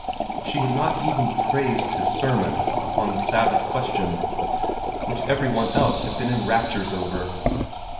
She had not even praised his sermon upon the Sabbath question, which every one else had been in raptures over.